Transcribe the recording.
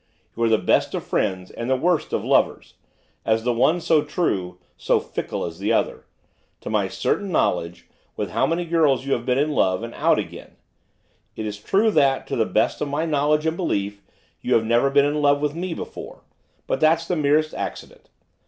You're the best of friends, and the worst of lovers, as the one, so true; so fickle as the other. To my certain knowledge, with how many girls have you been in love, and out again. It is true that, to the best of my knowledge and belief, you have never been in love with me before, but that's the merest accident.